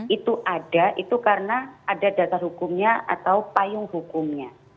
itu ada itu karena ada dasar hukumnya atau payung hukumnya